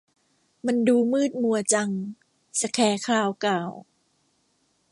มันดูมืดมัวจัง สแคร์คราวกล่าว